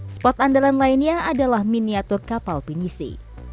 spot andalan lainnya adalah miniatur kapal pinisi